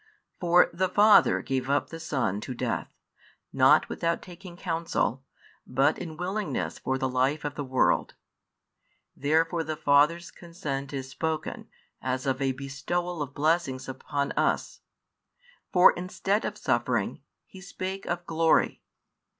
For the Father gave up the Son to death, not without taking counsel, but in willingness for the life of the world: therefore the Father's consent is spoken, of as a bestowal of blessings upon us; for instead of "suffering" He spake of "glory."